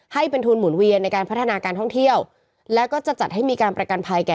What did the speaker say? ให้เป็นทุนหมุนเวียนในการพัฒนาการท่องเที่ยวแล้วก็จะจัดให้มีการประกันภัยแก่